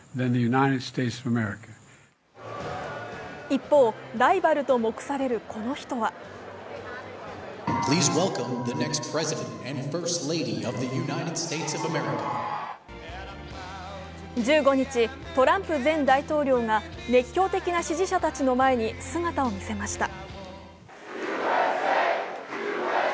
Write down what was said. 一方、ライバルと目されるこの人は１５日、トランプ前大統領が熱狂的な支持者たちの前に姿を見せました。